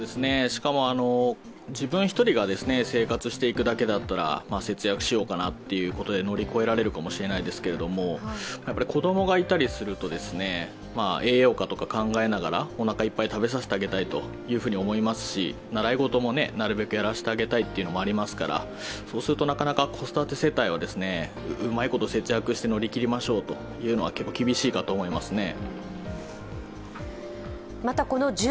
しかも、自分１人が生活していくだけだったら節約しようかなということで乗り越えられるかもしれないですけれども、子供がいたりすると栄養価とかを考えながらおなかいっぱい食べさせてあげたいと思いますし習い事もなるべくやらせてあげたというのがありますから、そうするとなかなか子育て世帯はうまいこと節約をして乗り切りましょうというのは結構厳しいかと思いますね。